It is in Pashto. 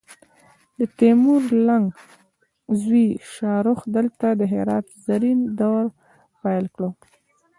د تیمور لنګ زوی شاهرخ دلته د هرات زرین دور پیل کړ